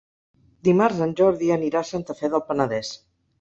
Dimarts en Jordi anirà a Santa Fe del Penedès.